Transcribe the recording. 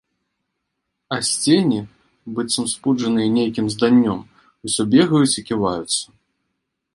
А сцені, быццам спуджаныя нейкім зданнём, усё бегаюць і ківаюцца.